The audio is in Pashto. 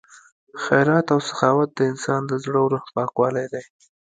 خیرات او سخاوت د انسان د زړه او روح پاکوالی دی.